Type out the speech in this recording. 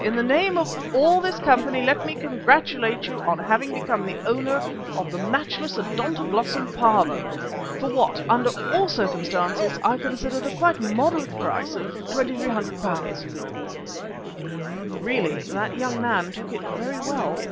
"In the name of all this company let me congratulate you on having become the owner of the matchless 'Odontoglossum Pavo' for what, under all the circumstances, I consider the quite moderate price of £2,300." Really that young man took it very well.